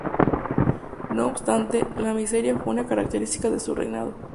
No obstante, la miseria fue una característica de su reinado.